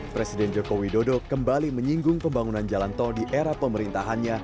presiden joko widodo kembali menyinggung pembangunan jalan tol di era pemerintahannya